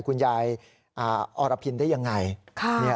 คุณยายอรพินทร์ได้อย่างไร